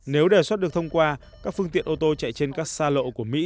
nếu đề xuất được thông qua các phương tiện ô tô chạy trên các xa lộ của mỹ